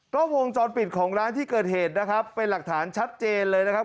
ก็วงจรปิดของร้านที่เกิดเหตุนะครับเป็นหลักฐานชัดเจนเลยนะครับ